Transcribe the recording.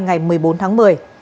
ngày một mươi bốn tháng một mươi